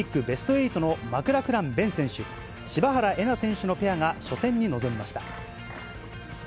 ベスト８のマクラクラン勉選手、柴原瑛菜選手のペアが初戦に臨みました。